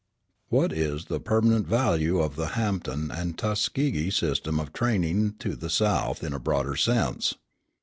What is the permanent value of the Hampton and Tuskegee system of training to the South, in a broader sense?